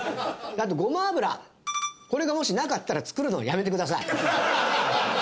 あとごま油これがもしなかったら作るのをやめてください。